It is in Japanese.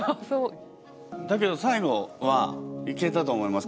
だけど最後はいけたと思います。